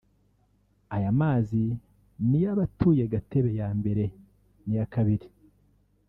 Aya mazi ni yo abatuye Gatebe ya mbere n’iya kabiri